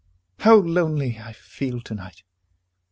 How lonely I feel to night!